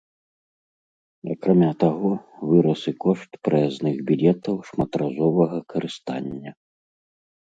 Акрамя таго, вырас і кошт праязных білетаў шматразовага карыстання.